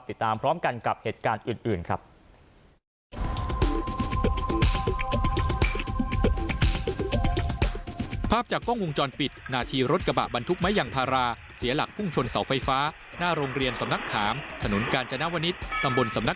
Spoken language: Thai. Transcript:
ติดตามพร้อมกันกับเหตุการณ์อื่นครับ